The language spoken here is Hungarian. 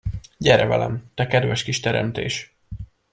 Gyere velem, te kedves kis teremtés!